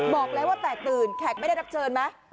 บอกแล้วว่าแตกตื่นแขกไม่ได้รับเชิญไหม